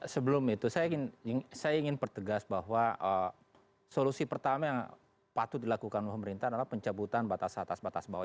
sebelum itu saya ingin pertegas bahwa solusi pertama yang patut dilakukan oleh pemerintah adalah pencabutan batas atas batas bawah